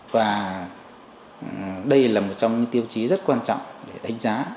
và đây là một trong những tiêu chí rất quan trọng để đánh giá